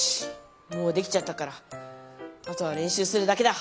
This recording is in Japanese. もうできちゃったからあとはれんしゅうするだけだ！